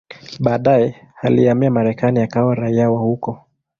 Baadaye alihamia Marekani akawa raia wa huko.